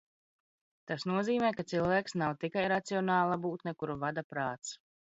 Tas nozīmē, ka cilvēks nav tikai racionāla būtne, kuru vada prāts